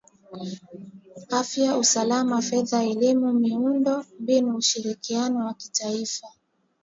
,afya , usalama , fedha , elimu , miundo mbinu na ushirikiano wa kimataifa